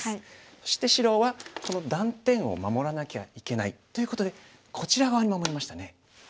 そして白はこの断点を守らなきゃいけないということでこちら側に守りましたね。